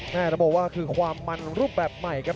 ต้องบอกว่าคือความมันรูปแบบใหม่ครับ